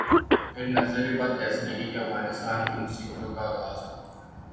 پھر نظر بد ایسی لگی کہ افغانستان کی مصیبتوں کا آغاز ہوا۔